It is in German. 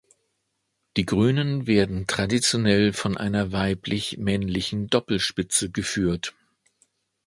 Die Grünen werden traditionell von einer weiblich-männlichen Doppelspitze geführt.